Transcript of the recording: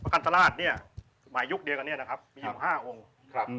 เพราะคันตราศน์นี้หมายยุคนี้กับเนี่ยนะครับมีอยู่๕องค์